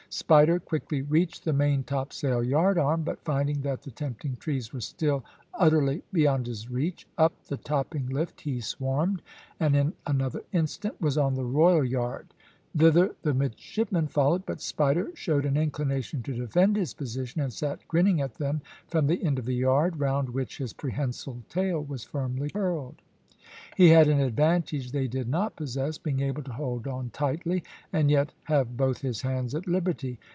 Spider quickly reached the main topsail yard arm, but finding that the tempting trees were still utterly beyond his reach, up the topping lift he swarmed, and in another instant was on the royal yard. Thither the midshipmen followed, but Spider showed an inclination to defend his position, and sat grinning at them from the end of the yard, round which his prehensile tail was firmly curled. He had an advantage they did not possess, being able to hold on tightly, and yet have both his hands at liberty.